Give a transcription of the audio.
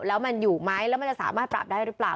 แล้วมันอยู่ไหมแล้วมันจะสามารถปรับได้หรือเปล่า